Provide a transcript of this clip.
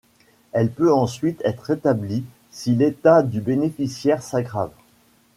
Elle peut ensuite être rétablie si l'état du bénéficiaire s'aggrave.